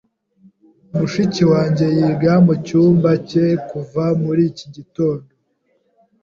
Mushiki wanjye yiga mucyumba cye kuva muri iki gitondo.